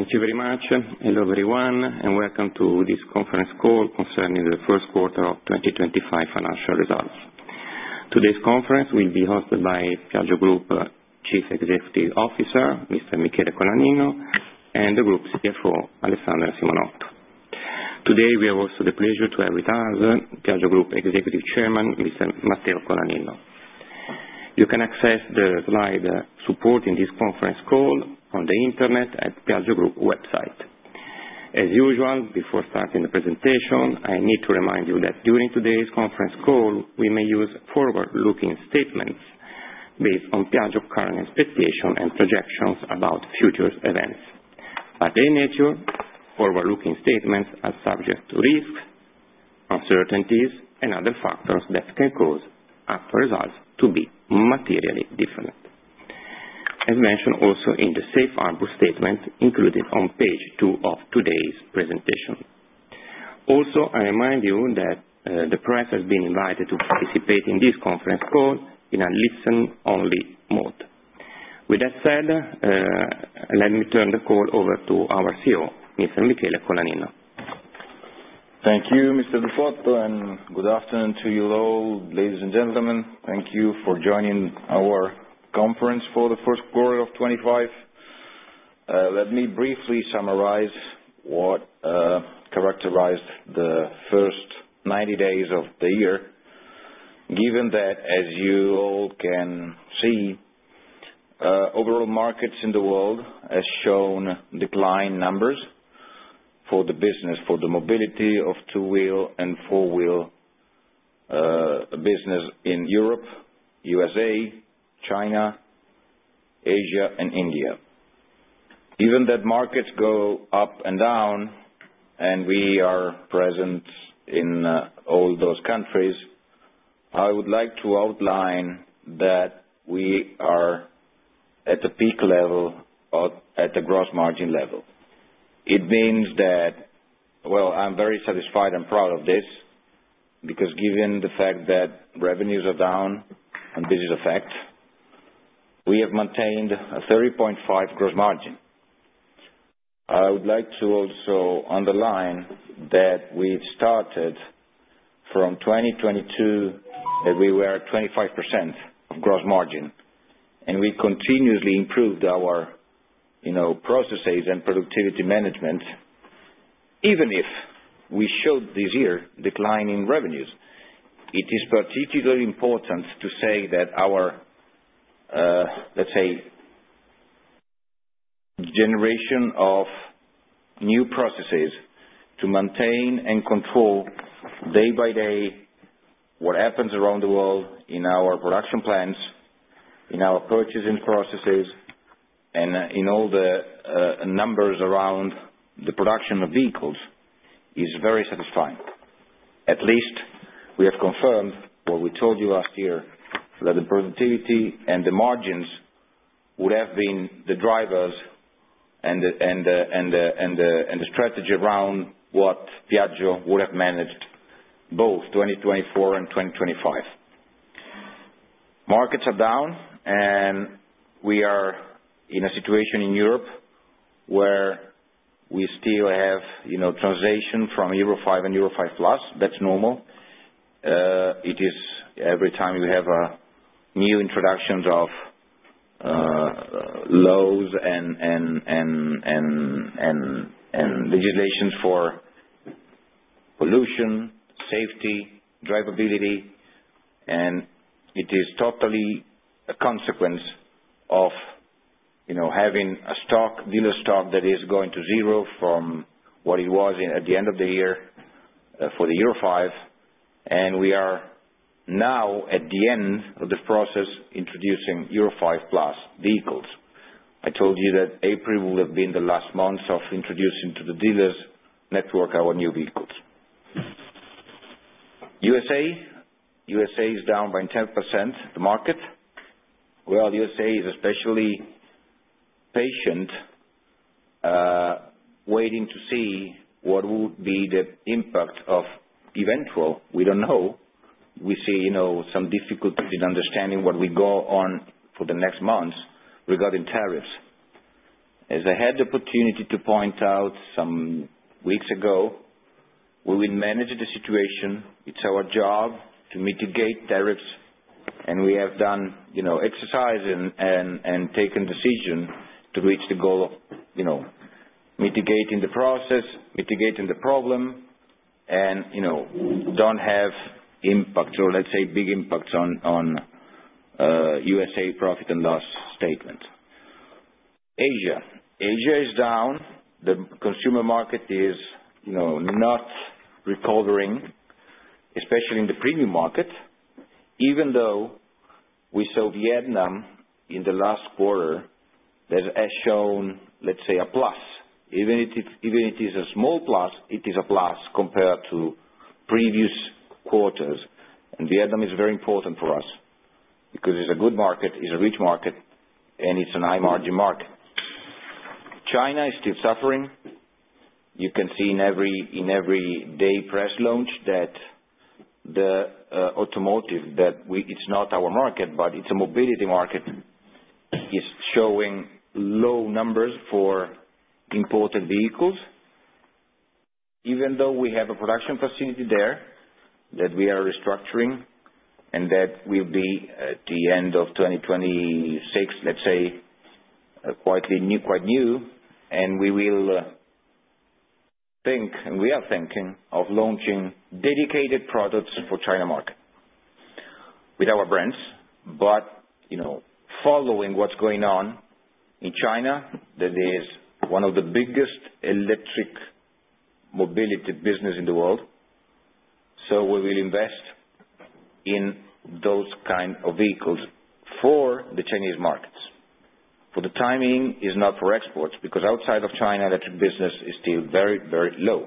Thank you very much. Hello, everyone, and welcome to this conference call concerning the First Quarter of 2025 Financial Results. Today's conference will be hosted by Piaggio Group Chief Executive Officer, Mr. Michele Colaninno, and the Group CFO, Alessandra Simonotto. Today, we have also the pleasure to have with us Piaggio Group Executive Chairman, Mr. Matteo Colaninno. You can access the slide supporting this conference call on the internet at Piaggio Group website. As usual, before starting the presentation, I need to remind you that during today's conference call, we may use forward-looking statements based on Piaggio's current expectations and projections about future events. By their nature, forward-looking statements are subject to risks, uncertainties, and other factors that can cause actual results to be materially different. As mentioned also in the safe harbor statement included on page two of today's presentation. Also, I remind you that the press has been invited to participate in this conference call in a listen-only mode. With that said, let me turn the call over to our CEO, Mr. Michele Colaninno. Thank you, Mr. Lupotto, and good afternoon to you all, ladies and gentlemen. Thank you for joining our conference for the first quarter of 2025. Let me briefly summarize what characterized the first 90 days of the year. Given that, as you all can see, overall markets in the world have shown decline numbers for the business, for the mobility of two-wheel and four-wheel business in Europe, USA, China, Asia, and India. Given that markets go up and down, and we are present in all those countries, I would like to outline that we are at a peak level at the gross margin level. It means that, I am very satisfied and proud of this because given the fact that revenues are down and business affect, we have maintained a 30.5% gross margin. I would like to also underline that we started from 2022, that we were at 25% of gross margin, and we continuously improved our processes and productivity management, even if we showed this year a decline in revenues. It is particularly important to say that our, let's say, generation of new processes to maintain and control day by day what happens around the world in our production plants, in our purchasing processes, and in all the numbers around the production of vehicles is very satisfying. At least we have confirmed what we told you last year, that the productivity and the margins would have been the drivers and the strategy around what Piaggio would have managed both 2024 and 2025. Markets are down, and we are in a situation in Europe where we still have transition from Euro 5 and Euro 5+. That's normal. It is every time you have new introductions of laws and legislations for pollution, safety, drivability, and it is totally a consequence of having a stock, dealer stock that is going to zero from what it was at the end of the year for the Euro 5. We are now at the end of the process introducing Euro 5+ vehicles. I told you that April will have been the last month of introducing to the dealers network our new vehicles. USA is down by 10%, the market. USA is especially patient, waiting to see what would be the impact of eventual. We do not know. We see some difficulties in understanding what we go on for the next months regarding tariffs. As I had the opportunity to point out some weeks ago, we will manage the situation. It's our job to mitigate tariffs, and we have done exercise and taken decision to reach the goal of mitigating the process, mitigating the problem, and do not have impacts or, let's say, big impacts on USA profit and loss statements. Asia. Asia is down. The consumer market is not recovering, especially in the premium market, even though we saw Vietnam in the last quarter that has shown, let's say, a plus. Even if it is a small plus, it is a plus compared to previous quarters. And Vietnam is very important for us because it's a good market, it's a rich market, and it's a high-margin market. China is still suffering. You can see in every day press launch that the automotive, that it's not our market, but it's a mobility market, is showing low numbers for important vehicles. Even though we have a production facility there that we are restructuring and that will be at the end of 2026, let's say, quite new, and we will think, and we are thinking of launching dedicated products for China market with our brands. Following what's going on in China, that is one of the biggest electric mobility businesses in the world, we will invest in those kinds of vehicles for the Chinese markets. For the timing, it's not for exports because outside of China, the business is still very, very low.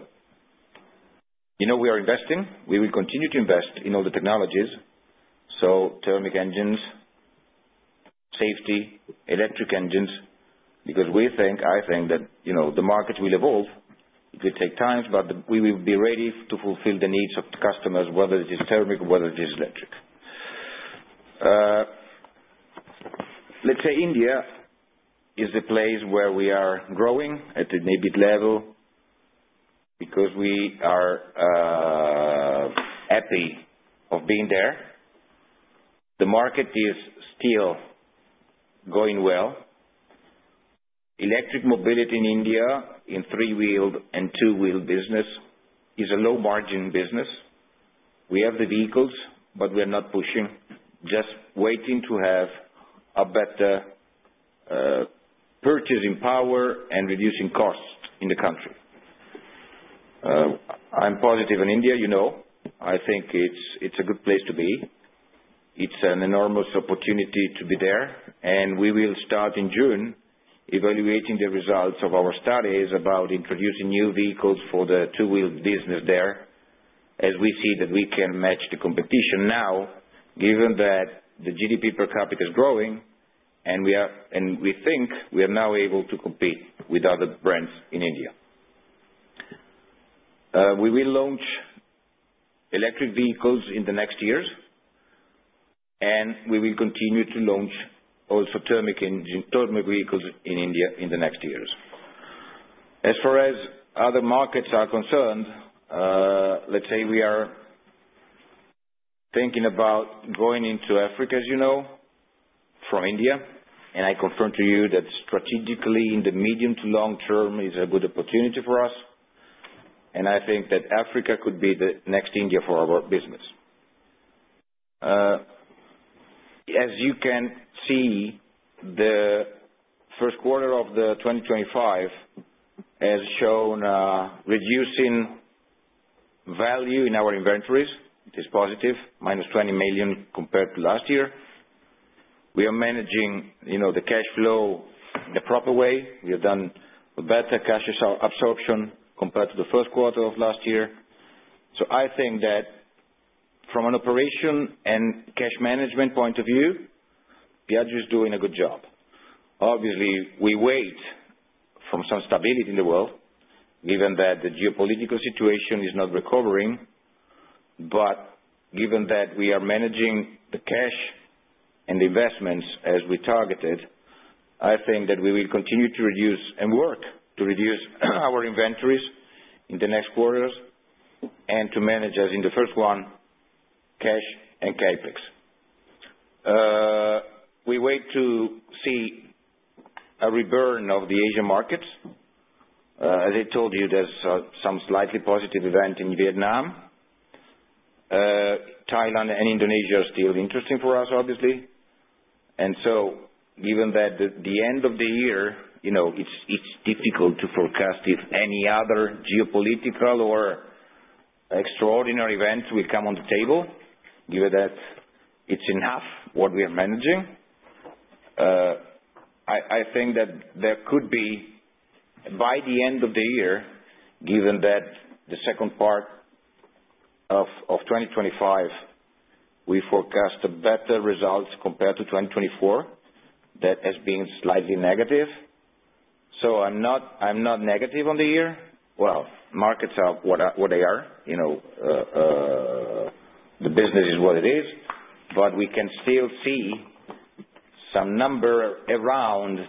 We are investing. We will continue to invest in all the technologies, so thermic engines, safety, electric engines, because we think, I think that the market will evolve. It will take time, but we will be ready to fulfill the needs of the customers, whether it is thermic or whether it is electric. Let's say India is the place where we are growing at the EBIT level because we are happy of being there. The market is still going well. Electric mobility in India in three-wheeled and two-wheeled business is a low-margin business. We have the vehicles, but we are not pushing, just waiting to have a better purchasing power and reducing costs in the country. I'm positive on India. I think it's a good place to be. It's an enormous opportunity to be there. We will start in June evaluating the results of our studies about introducing new vehicles for the two-wheeled business there as we see that we can match the competition now, given that the GDP per capita is growing, and we think we are now able to compete with other brands in India. We will launch electric vehicles in the next years, and we will continue to launch also thermic vehicles in India in the next years. As far as other markets are concerned, let's say we are thinking about going into Africa, as you know, from India, and I confirm to you that strategically in the medium to long term is a good opportunity for us. I think that Africa could be the next India for our business. As you can see, the first quarter of 2025 has shown reducing value in our inventories. It is positive, minus 20 million compared to last year. We are managing the cash flow in the proper way. We have done a better cash absorption compared to the first quarter of last year. I think that from an operation and cash management point of view, Piaggio is doing a good job. Obviously, we wait for some stability in the world, given that the geopolitical situation is not recovering. Given that we are managing the cash and the investments as we targeted, I think that we will continue to reduce and work to reduce our inventories in the next quarters and to manage, as in the first one, cash and CapEx. We wait to see a reburn of the Asian markets. As I told you, there's some slightly positive event in Vietnam. Thailand and Indonesia are still interesting for us, obviously. Given that at the end of the year, it's difficult to forecast if any other geopolitical or extraordinary events will come on the table, given that it's enough what we are managing. I think that there could be, by the end of the year, given that the second part of 2025, we forecast a better result compared to 2024, that has been slightly negative. I am not negative on the year. Markets are what they are. The business is what it is. We can still see some number around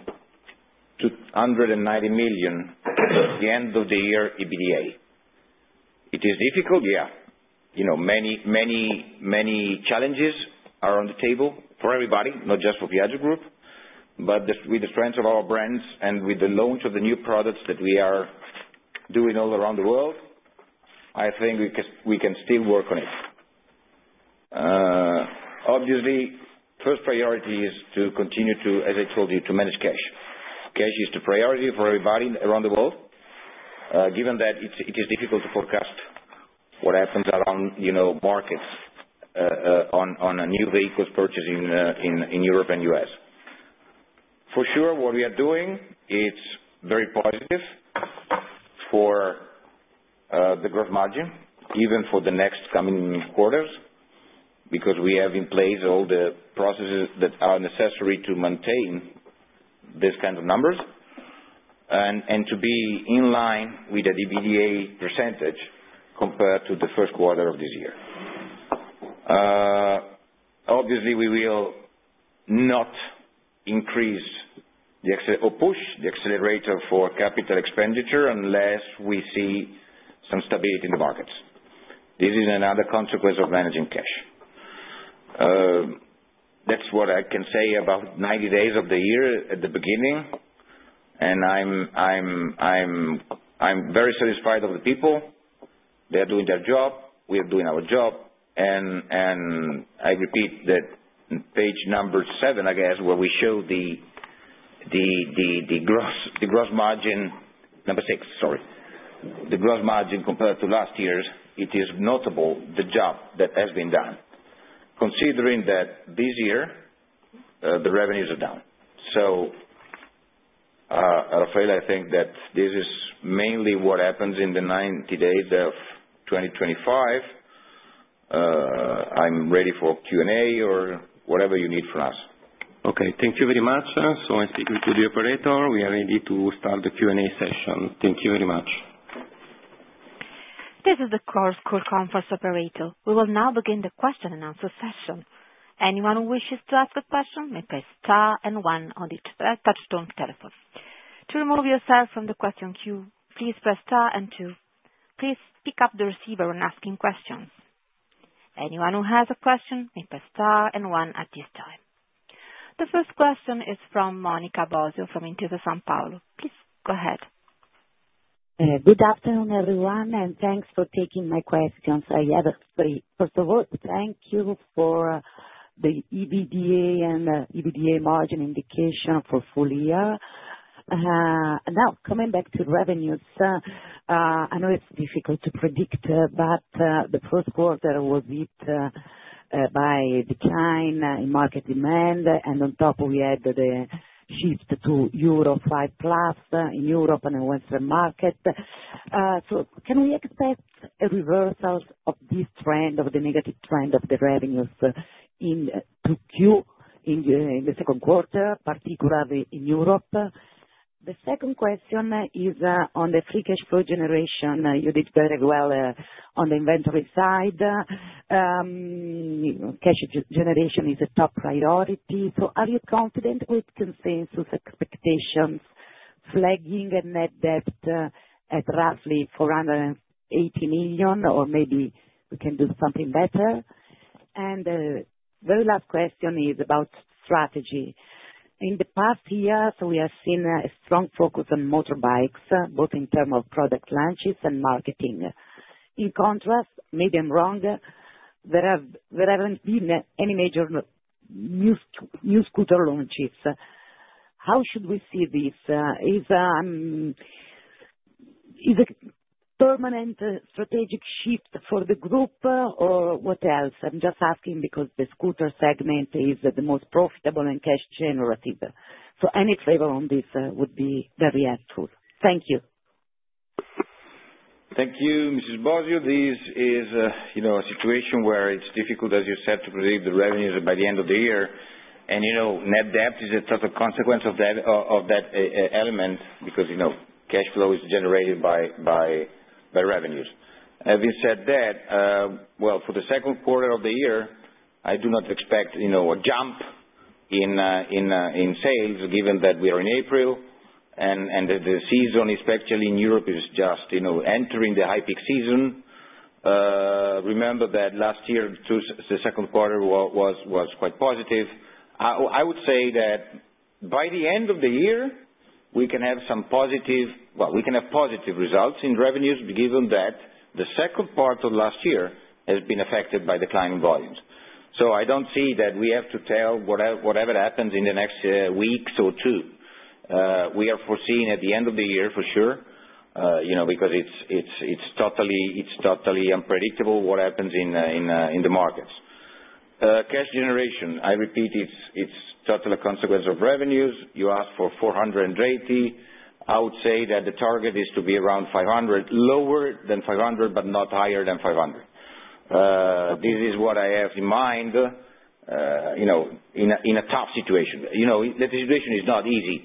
290 million t the end of the year EBITDA. It is difficult, yeah. Many, many challenges are on the table for everybody, not just for Piaggio Group. With the strength of our brands and with the launch of the new products that we are doing all around the world, I think we can still work on it. Obviously, first priority is to continue to, as I told you, to manage cash. Cash is the priority for everybody around the world, given that it is difficult to forecast what happens around markets on new vehicles purchasing in Europe and U.S. For sure, what we are doing is very positive for the gross margin, even for the next coming quarters, because we have in place all the processes that are necessary to maintain these kinds of numbers and to be in line with the EBITDA percentage compared to the first quarter of this year. Obviously, we will not increase or push the accelerator for capital expenditure unless we see some stability in the markets. This is another consequence of managing cash. That is what I can say about 90 days of the year at the beginning. I am very satisfied of the people. They are doing their job. We are doing our job. I repeat that page number seven, I guess, where we show the gross margin, number six, sorry. The gross margin compared to last year, it is notable the job that has been done, considering that this year the revenues are down. Raffaele, I think that this is mainly what happens in the 90 days of 2025. I'm ready for Q&A or whatever you need from us. Thank you very much. I speak with the operator. We are ready to start the Q&A session. Thank you very much. This is the Chorus Call conference operator. We will now begin the question and answer session. Anyone who wishes to ask a question may press star and one on the touchstone telephone. To remove yourself from the question queue, please press star and two. Please pick up the receiver when asking questions. Anyone who has a question may press star and one at this time. The first question is from Monica Bosio from Intesa SanPaolo. Please go ahead. Good afternoon, everyone, and thanks for taking my questions. First of all, thank you for the EBITDA and EBITDA margin indication for full year. Now, coming back to revenues, I know it's difficult to predict, but the first quarter was hit by a decline in market demand, and on top, we had the shift to Euro 5+ in Europe and the Western market. Can we expect a reversal of this trend, of the negative trend of the revenues to continue in the second quarter, particularly in Europe? The second question is on the free cash flow generation. You did very well on the inventory side. Cash generation is a top priority. Are you confident with consensus expectations, flagging a net debt at roughly 480 million, or maybe we can do something better? The very last question is about strategy. In the past year, we have seen a strong focus on motorbikes, both in terms of product launches and marketing. In contrast, maybe I'm wrong, there have not been any major new scooter launches. How should we see this? Is it a permanent strategic shift for the group, or what else? I'm just asking because the scooter segment is the most profitable and cash-generative. Any flavor on this would be very helpful. Thank you. Thank you, Mrs. Bosio. This is a situation where it is difficult, as you said, to predict the revenues by the end of the year. Net debt is a total consequence of that element because cash flow is generated by revenues. Having said that, for the second quarter of the year, I do not expect a jump in sales, given that we are in April, and the season, especially in Europe, is just entering the high peak season. Remember that last year, the second quarter was quite positive. I would say that by the end of the year, we can have some positive—well, we can have positive results in revenues, given that the second part of last year has been affected by declining volumes. I do not see that we have to tell whatever happens in the next weeks or two. We are foreseeing at the end of the year, for sure, because it is totally unpredictable what happens in the markets. Cash generation, I repeat, it is totally a consequence of revenues. You asked for 480. I would say that the target is to be around 500 million, lower than EUR5 00 million, but not higher than 500 million. This is what I have in mind in a tough situation. The situation is not easy,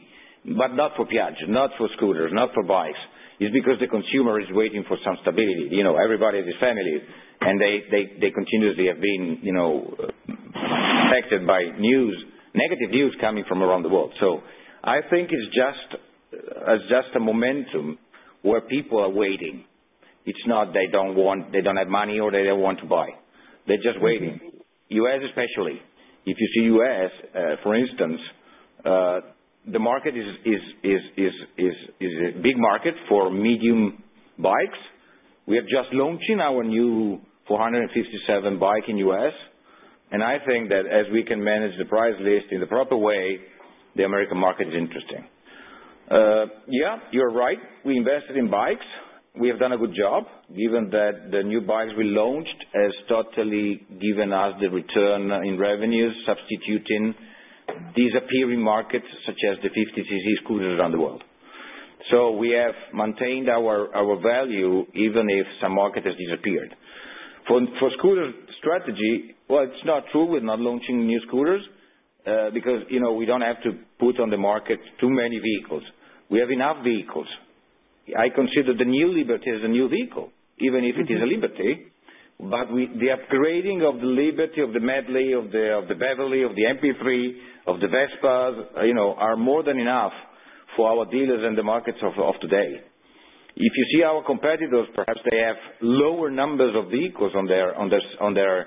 but not for Piaggio, not for scooters, not for bikes. It's because the consumer is waiting for some stability. Everybody has a family, and they continuously have been affected by negative news coming from around the world. I think it's just a momentum where people are waiting. It's not they don't have money or they don't want to buy. They're just waiting. U.S., especially. If you see U.S., for instance, the market is a big market for medium bikes. We are just launching our new 457 bike in U.S. I think that as we can manage the price list in the proper way, the American market is interesting. Yeah, you're right. We invested in bikes. We have done a good job, given that the new bikes we launched have totally given us the return in revenues, substituting disappearing markets such as the 50cc scooters around the world. So we have maintained our value even if some market has disappeared. For scooter strategy, it is not true we are not launching new scooters because we do not have to put on the market too many vehicles. We have enough vehicles. I consider the new Liberty as a new vehicle, even if it is a Liberty. But the upgrading of the Liberty, of the Medley, of the Beverly, of the MP3, of the Vespa are more than enough for our dealers and the markets of today. If you see our competitors, perhaps they have lower numbers of vehicles on their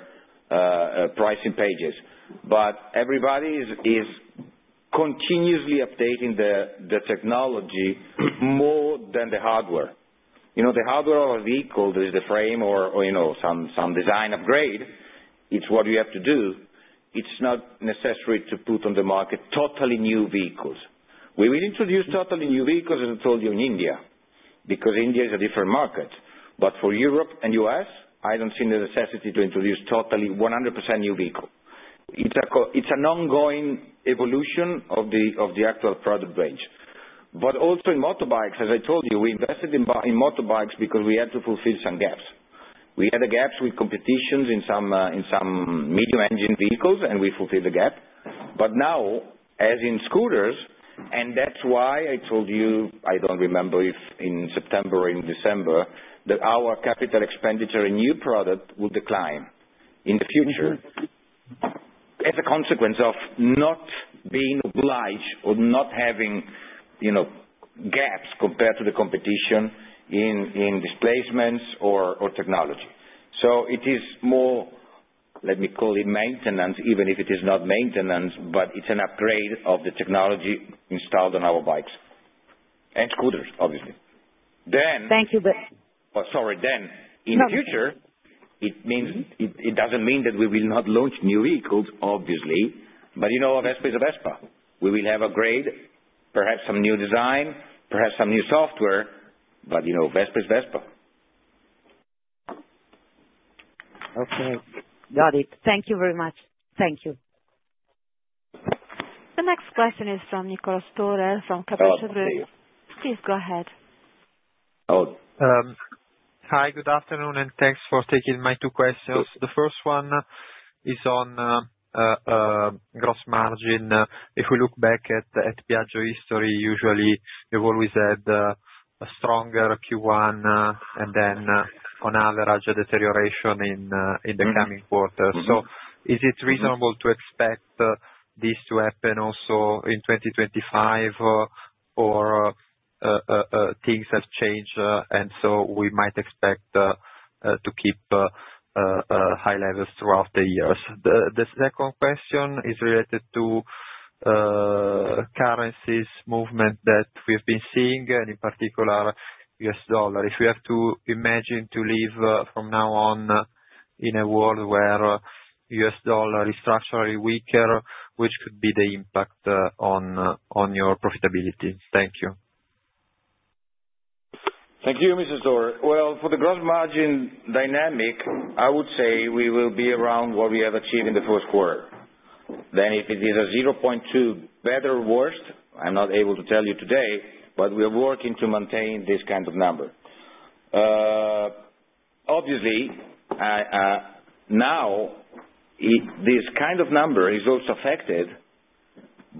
pricing pages. But everybody is continuously updating the technology more than the hardware. The hardware of a vehicle, there is the frame or some design upgrade. It's what you have to do. It's not necessary to put on the market totally new vehicles. We will introduce totally new vehicles, as I told you, in India because India is a different market. For Europe and U.S., I don't see the necessity to introduce totally 100% new vehicles. It's an ongoing evolution of the actual product range. Also in motorbikes, as I told you, we invested in motorbikes because we had to fulfill some gaps. We had a gap with competitions in some medium engine vehicles, and we fulfilled the gapNow, as in scooters, and that's why I told you, I don't remember if in September or in December, that our capital expenditure in new product would decline in the future as a consequence of not being obliged or not having gaps compared to the competition in displacements or technology. It is more, let me call it maintenance, even if it is not maintenance, but it's an upgrade of the technology installed on our bikes and scooters, obviously. Sorry. In the future, it doesn't mean that we will not launch new vehicles, obviously. Vespa is a Vespa. We will have upgrade, perhaps some new design, perhaps some new software, but Vespa is Vespa. Okay. Got it. Thank you very much. Thank you. The next question is from Niccolò Storer from Kepler Cheuvreux. Please go ahead. Hi, good afternoon, and thanks for taking my two questions. The first one is on gross margin. If we look back at Piaggio history, usually we've always had a stronger Q1 and then on average a deterioration in the coming quarter. Is it reasonable to expect this to happen also in 2025, or things have changed, and we might expect to keep high levels throughout the years? The second question is related to currencies movement that we've been seeing, and in particular, US dollar. If we have to imagine to live from now on in a world where US dollar is structurally weaker, which could be the impact on your profitability? Thank you. Thank you, Mr. Storer. For the gross margin dynamic, I would say we will be around what we have achieved in the first quarter. If it is a 0.2 better or worse, I'm not able to tell you today, but we are working to maintain this kind of number. Obviously, now this kind of number is also affected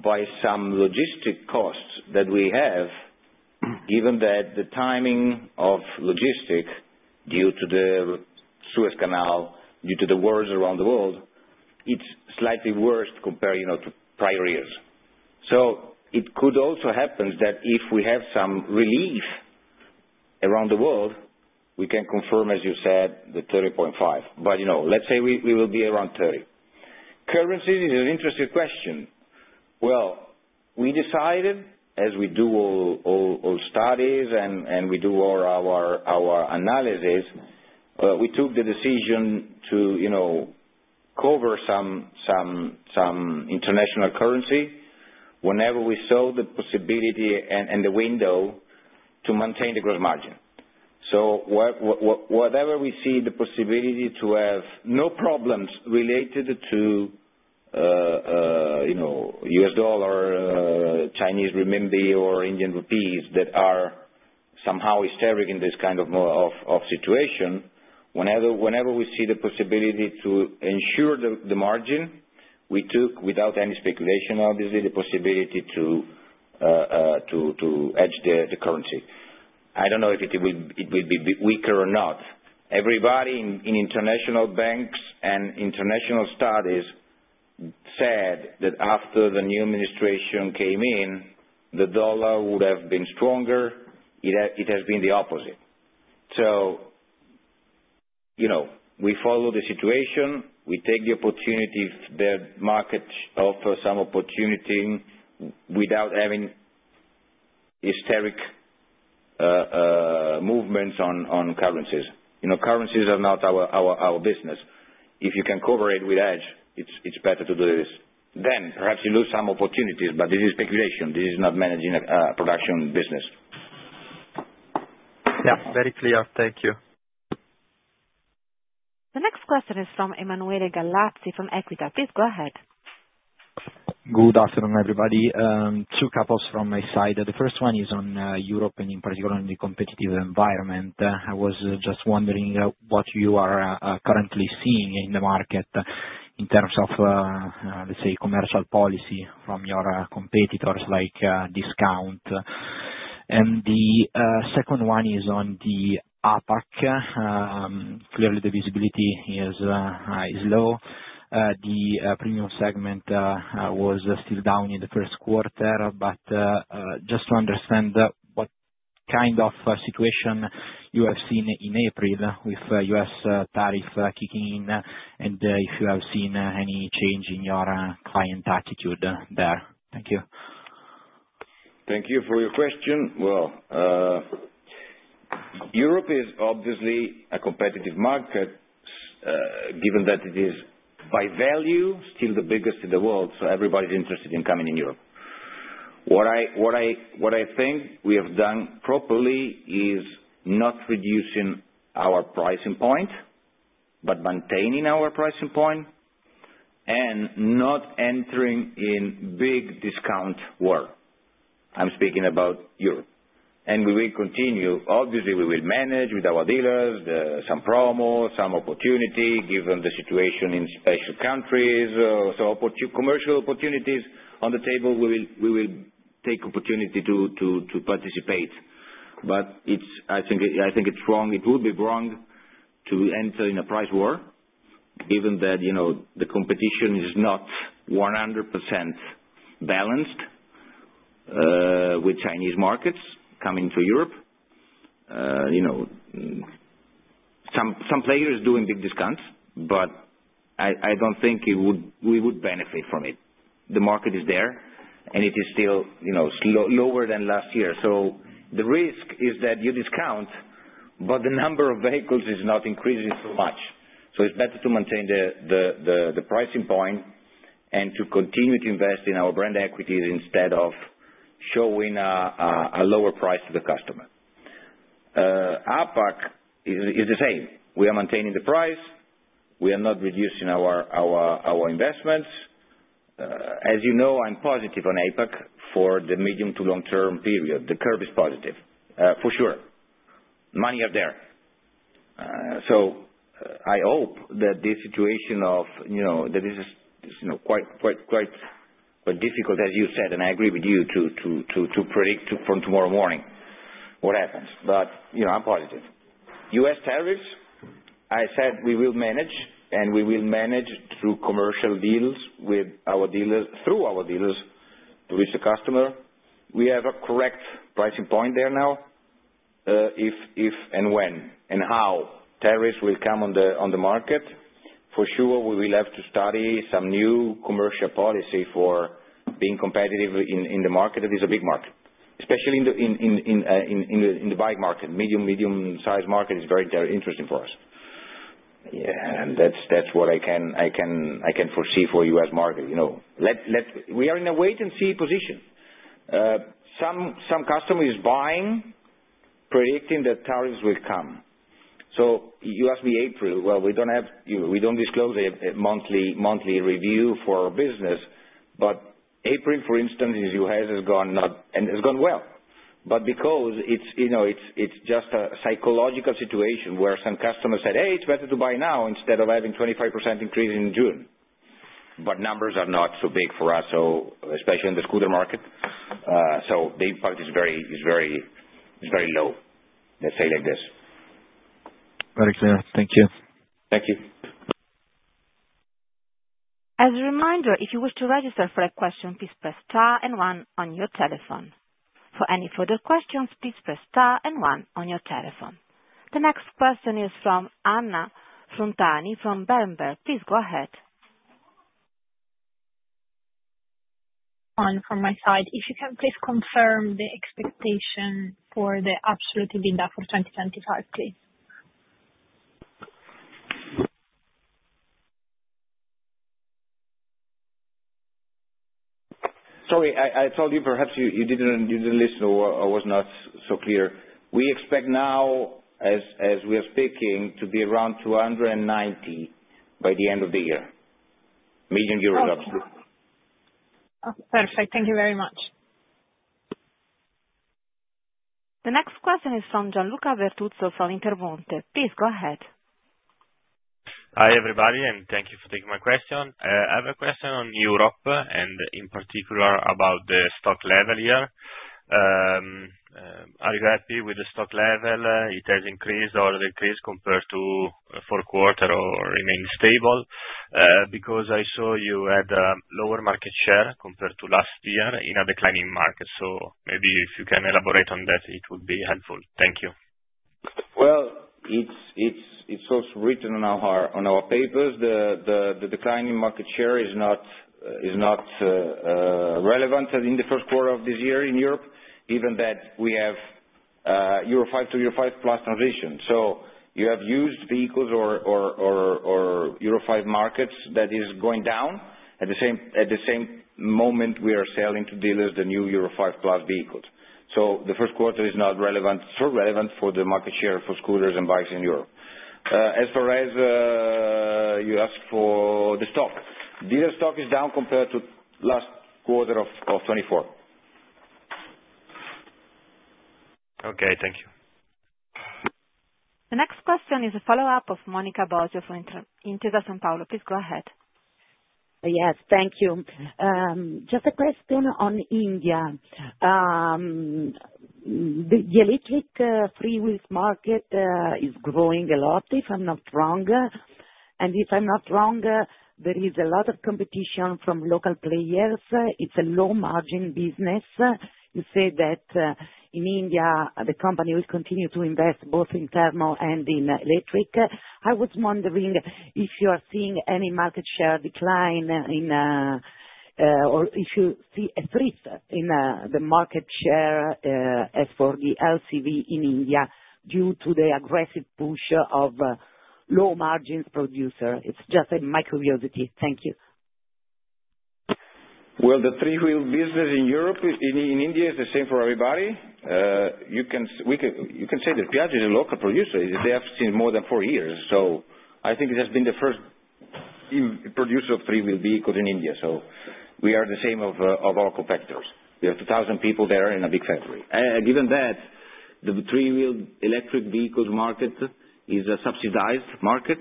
by some logistic costs that we have, given that the timing of logistics due to the Suez Canal, due to the wars around the world, is slightly worse compared to prior years. It could also happen that if we have some relief around the world, we can confirm, as you said, the 30.5. Let's say we will be around 30. Currency is an interesting question. We decided, as we do all studies and we do all our analysis, we took the decision to cover some international currency whenever we saw the possibility and the window to maintain the gross margin. Whatever we see the possibility to have no problems related to U.S. dollar, Chinese renminbi, or Indian rupees that are somehow hysteric in this kind of situation, whenever we see the possibility to ensure the margin, we took, without any speculation, obviously, the possibility to hedge the currency. I do not know if it will be weaker or not. Everybody in international banks and international studies said that after the new administration came in, the dollar would have been stronger. It has been the opposite. We follow the situation. We take the opportunity that markets offer some opportunity without having hysteric movements on currencies. Currencies are not our business. If you can cover it with hedge, it is better to do this. Perhaps you lose some opportunities, but this is speculation. This is not managing a production business. Yeah. Very clear. Thank you. The next question is from Emanuele Gallazzi from EQUITA. Please go ahead. Good afternoon, everybody. Two couples from my side. The first one is on Europe and in particular in the competitive environment. I was just wondering what you are currently seeing in the market in terms of, let's say, commercial policy from your competitors like discount. The second one is on the APAC. Clearly, the visibility is low. The premium segment was still down in the first quarter, but just to understand what kind of situation you have seen in April with U.S. tariff kicking in and if you have seen any change in your client attitude there. Thank you. Thank you for your question. Europe is obviously a competitive market given that it is by value still the biggest in the world, so everybody's interested in coming in Europe. What I think we have done properly is not reducing our pricing point, but maintaining our pricing point and not entering in big discount war. I'm speaking about Europe. We will continue. Obviously, we will manage with our dealers, some promo, some opportunity given the situation in special countries. Commercial opportunities on the table, we will take opportunity to participate. I think it's wrong. It would be wrong to enter in a price war given that the competition is not 100% balanced with Chinese markets coming to Europe. Some players do in big discounts, but I don't think we would benefit from it. The market is there, and it is still lower than last year. The risk is that you discount, but the number of vehicles is not increasing so much. It is better to maintain the pricing point and to continue to invest in our brand equities instead of showing a lower price to the customer. APAC is the same. We are maintaining the price. We are not reducing our investments. As you know, I am positive on APAC for the medium to long-term period. The curve is positive, for sure. Money is there. I hope that this situation, which is quite difficult, as you said, and I agree with you, to predict from tomorrow morning what happens. I am positive. U.S. tariffs, I said we will manage, and we will manage through commercial deals with our dealers, through our dealers to reach the customer. We have a correct pricing point there now. If and when and how tariffs will come on the market, for sure, we will have to study some new commercial policy for being competitive in the market. It is a big market, especially in the bike market. Medium-sized market is very interesting for us. Yeah. That is what I can foresee for the U.S. market. We are in a wait-and-see position. Some customers are buying, predicting that tariffs will come. You asked me April. We do not disclose a monthly review for our business, but April, for instance, in the U.S. has gone well, because it is just a psychological situation where some customers said, "Hey, it is better to buy now instead of having a 25% increase in June." Numbers are not so big for us, especially in the scooter market. The impact is very low, let us say it like this. Very clear. Thank you. Thank you. As a reminder, if you wish to register for a question, please press star and one on your telephone. For any further questions, please press star and one on your telephone. The next question is from Anna Frontani from Berenberg. Please go ahead. One from my side. If you can, please confirm the expectation for the absolute EBITDA for 2025, please. Sorry, I told you perhaps you did not listen or was not so clear. We expect now, as we are speaking, to be around 290 million by the end of the year. Million euros, absolutely. Perfect. Thank you very much. The next question is from Gianluca Bertuzzo from Intermonte. Please go ahead. Hi everybody, and thank you for taking my question. I have a question on Europe and in particular about the stock level here. Are you happy with the stock level? It has increased or decreased compared to four quarters or remained stable? Because I saw you had a lower market share compared to last year in a declining market. So maybe if you can elaborate on that, it would be helpful. Thank you. It is also written on our papers. The declining market share is not relevant in the first quarter of this year in Europe, given that we have Euro 5 to Euro 5+ transition. You have used vehicles or Euro 5 markets that are going down. At the same moment, we are selling to dealers the new Euro 5+ vehicles. The first quarter is not relevant for the market share for scooters and bikes in Europe. As far as you asked for the stock, dealer stock is down compared to last quarter of 2024. Okay. Thank you. The next question is a follow-up of Monica Bosio from Intesa SanPaolo. Please go ahead. Yes. Thank you. Just a question on India. The electric three-wheeled market is growing a lot, if I'm not wrong. If I'm not wrong, there is a lot of competition from local players. It's a low-margin business. You said that in India, the company will continue to invest both in thermal and in electric. I was wondering if you are seeing any market share decline or if you see a drift in the market share as for the LCV in India due to the aggressive push of low-margin producers. It's just my curiosity. Thank you. The three-wheeled business in Europe and India is the same for everybody. You can say that Piaggio is a local producer. They have seen more than four years. I think it has been the first producer of three-wheeled vehicles in India. We are the same as our competitors. We have 2,000 people there in a big factory. Given that, the three-wheeled electric vehicles market is a subsidized market.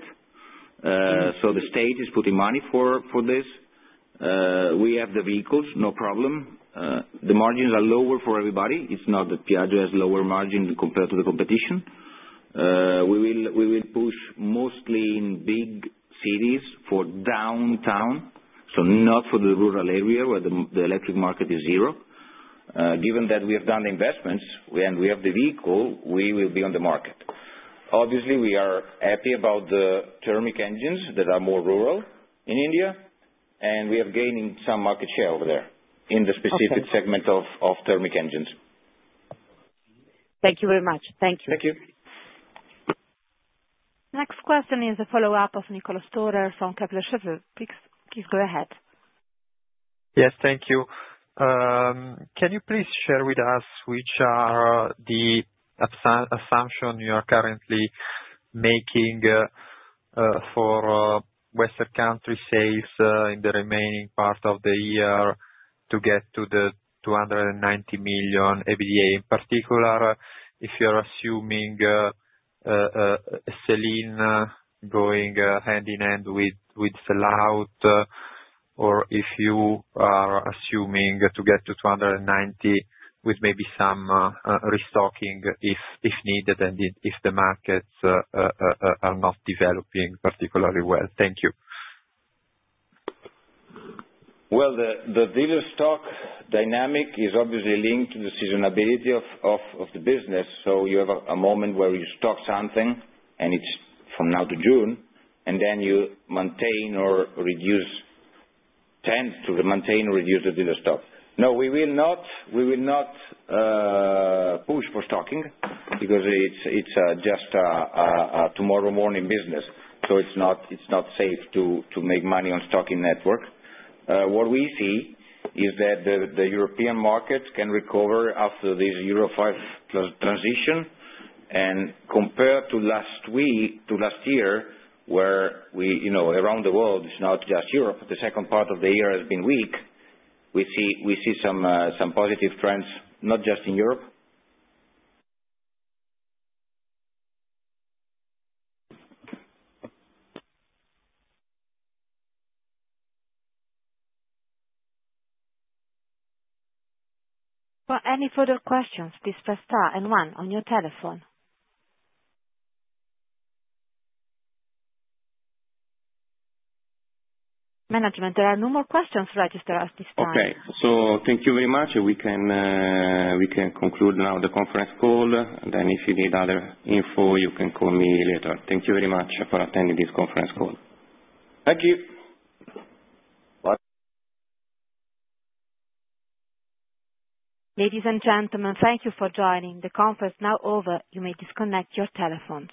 The state is putting money for this. We have the vehicles, no problem. The margins are lower for everybody. It is not that Piaggio has lower margin compared to the competition. We will push mostly in big cities for downtown, not for the rural area where the electric market is zero. Given that we have done the investments and we have the vehicle, we will be on the market. Obviously, we are happy about the thermic engines that are more rural in India, and we have gained some market share over there in the specific segment of thermic engines. Thank you very much. Thank you. Thank you. The next question is a follow-up of Niccolò Storer from Kepler Cheuvreux. Please go ahead. Yes. Thank you. Can you please share with us which are the assumptions you are currently making for Western countries' sales in the remaining part of the year to get to the 290 million EBITDA? In particular, if you're assuming a selling going hand in hand with sellout, or if you are assuming to get to 290 million with maybe some restocking if needed and if the markets are not developing particularly well. Thank you. The dealer stock dynamic is obviously linked to the seasonality of the business. You have a moment where you stock something, and it is from now to June, and then you maintain or reduce, tend to maintain or reduce, the dealer stock. No, we will not push for stocking because it is just a tomorrow morning business. It is not safe to make money on stocking network. What we see is that the European markets can recover after this Euro 5 transition. Compared to last year, where around the world, it is not just Europe, the second part of the year has been weak, we see some positive trends, not just in Europe. For any further questions, please press star and one on your telephone. Management, there are no more questions registered at this time. Okay. Thank you very much. We can conclude now the conference call. If you need other info, you can call me later. Thank you very much for attending this conference call. Thank you. Ladies and gentlemen, thank you for joining. The conference is now over. You may disconnect your telephone.